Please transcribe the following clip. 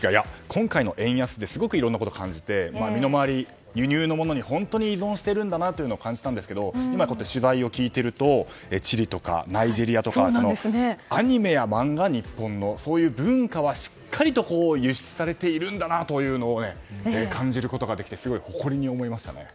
今回の円安ですごくいろんなことを感じて身の回り、輸入のものに本当に依存しているんだなと感じたんですけど今、取材を聞いているとチリとかナイジェリアとかアニメや漫画、日本のそういう文化はしっかりと輸出されているんだなというのを感じることができて誇りに思いましたね。